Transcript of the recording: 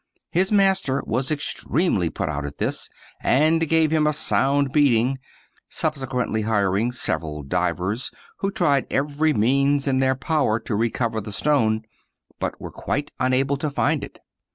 His master was extremely put out at this, and gave him a sound beating; subsequently hiring several divers, who tried eyery means in their power to recover the stone, but were quite unable to find it.